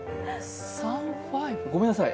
ごめんなさい。